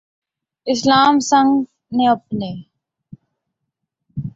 اسام سنگ نے اپنے